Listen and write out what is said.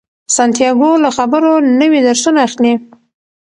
سانتیاګو له خبرو نوي درسونه اخلي.